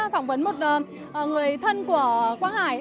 phỏng vấn một người thân của quang hải